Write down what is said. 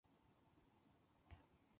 勒谢拉尔。